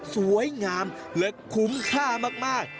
สวยงามและคุ้มค่ามาก